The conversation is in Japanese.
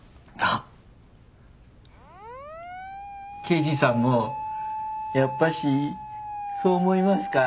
刑事さんもやっぱしそう思いますか？